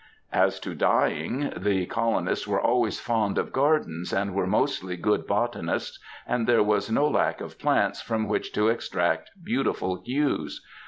As to dyeing, the colonists were always fond of gardens, and were mostly good botanists, and there was no lack of plants from which to extract beautiful hues.